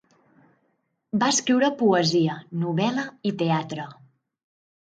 Va escriure poesia, novel·la i teatre.